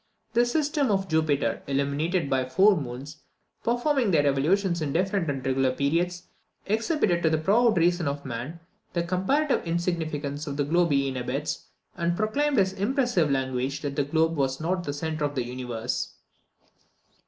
The system of Jupiter, illuminated by four moons performing their revolutions in different and regular periods, exhibited to the proud reason of man the comparative insignificance of the globe he inhabits, and proclaimed in impressive language that that globe was not the centre of the universe.